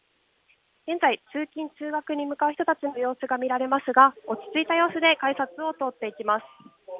現在、通勤・通学に向かう人たちの様子が見られますが、落ち着いた様子で改札を通っていきます。